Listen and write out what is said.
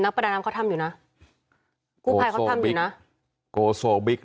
นักประดานำเขาทำอยู่น่ะกูภายเขาทำอยู่น่ะ